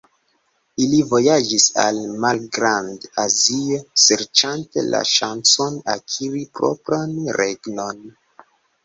Ili vojaĝis al Malgrand-Azio, serĉante la ŝancon akiri propran regnon.